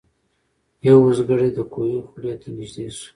یو اوزګړی د کوهي خولې ته نیژدې سو